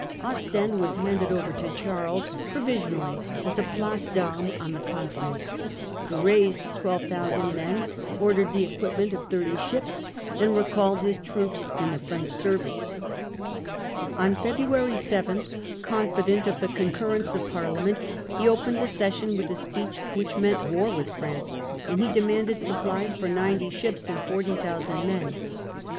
Ostendwas handed over to Charles provisionally as a place (Pannes on the Continent. He raised 12,000 men, ordered the equipment of thirty ships, and recalled his troops in the French service. On February 7, confident of the con 1678. Alliance % of Louis and the Opposition. 251 currence of Parliament, he opened the session with a speech which meant war with France, and he demanded supplies for ninety ships and 40,000 men.